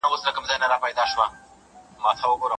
د کشپ غوندي به مځکي ته رالویږي